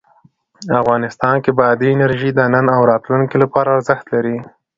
افغانستان کې بادي انرژي د نن او راتلونکي لپاره ارزښت لري.